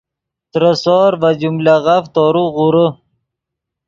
ترے سور ڤے جملغف تورو غورے